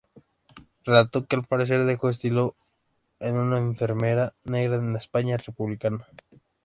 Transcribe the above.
Relato que al parecer dejó escrito en "Una enfermera negra en la España republicana".